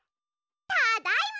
ただいま！